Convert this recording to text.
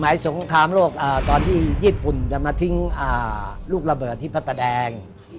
สงครามโลกตอนที่ญี่ปุ่นจะมาทิ้งลูกระเบิดที่พระประแดง